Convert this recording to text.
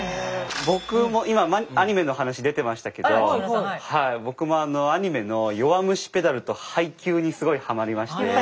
僕も今アニメの話出てましたけど僕もアニメの「弱虫ペダル」と「ハイキュー‼」にすごいハマりまして。